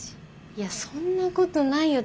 いやそんなことないよ。